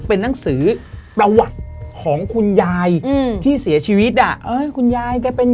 เป็นนังสือประวัติของคุณยาย